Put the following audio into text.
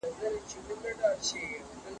د رازونو له افشاء کولو څخه ډډه کول.